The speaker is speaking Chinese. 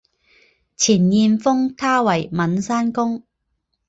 前燕封他为岷山公。